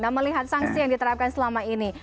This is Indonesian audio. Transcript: nah melihat sanksi yang diterapkan selama ini